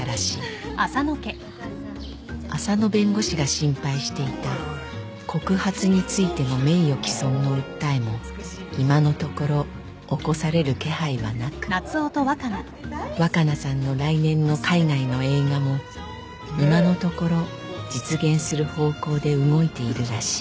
［浅野弁護士が心配していた告発についての名誉毀損の訴えも今のところ起こされる気配はなく若菜さんの来年の海外の映画も今のところ実現する方向で動いているらしい］